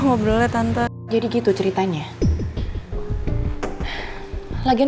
nggak boleh terlalu